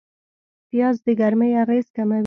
پیاز د ګرمۍ اغېز کموي